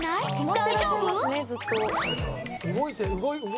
大丈夫？